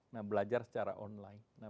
nah belajar secara online